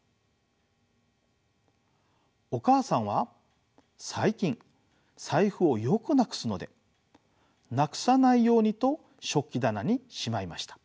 お母さんは最近財布をよくなくすのでなくさないようにと食器棚にしまいました。